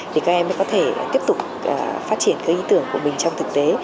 thì các em mới có thể tiếp tục phát triển cái ý tưởng của mình trong thực tế